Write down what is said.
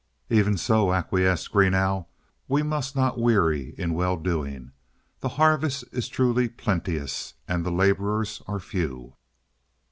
"Even so," acquiesced Greenough. "We must not weary in well doing. The harvest is truly plenteous and the laborers are few."